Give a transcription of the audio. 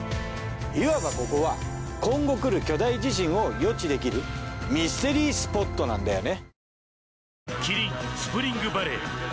いわばここは今後来る巨大地震を予知できるミステリースポットなんだよね。